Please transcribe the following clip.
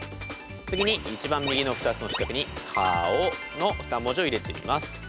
次に一番右の２つの四角に「かお」の２文字を入れていきます。